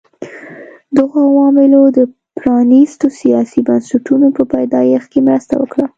دغو عواملو د پرانیستو سیاسي بنسټونو په پیدایښت کې مرسته وکړه.